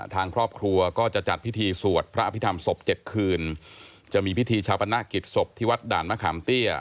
ทางครอบครัวก็จะจัดพิธีสวดพระอภิษฐรรมศพเจ็ดคืนจะมีพิธีชาปนกิจศพที่วัดด่านมะขามเตี้ย